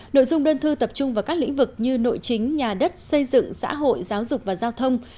nội dung đơn thư tập trung vào các lĩnh vực như nội chính nhà đất xây dựng xã hội giáo dục và giao thông